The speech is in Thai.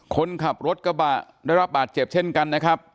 คนขับรถกระบะได้รับบาดเจ็บเช่นกันนะครับ